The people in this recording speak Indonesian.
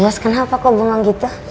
bubes kenapa kok bengong gitu